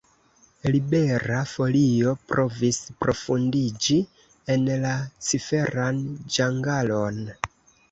Libera Folio provis profundiĝi en la ciferan ĝangalon.